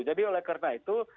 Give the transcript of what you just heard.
jadi oleh karena itu